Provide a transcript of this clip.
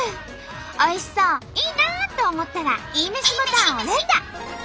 おいしそういいなと思ったらいいめしボタンを連打。